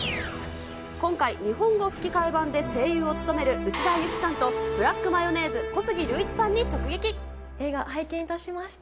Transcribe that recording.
今回、日本語吹き替え版で声優を務める内田有紀さんとブラックマヨネー映画拝見いたしました。